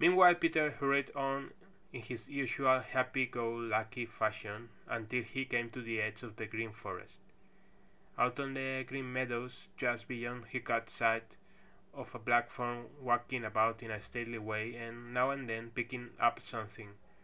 Meanwhile Peter hurried on in his usual happy go lucky fashion until he came to the edge of the Green Forest. Out on the Green Meadows just beyond he caught sight of a black form walking about in a stately way and now and then picking up something.